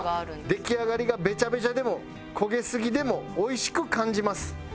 「出来上がりがベチャベチャでも焦げすぎでもおいしく感じます」